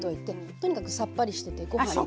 とにかくさっぱりしててご飯に。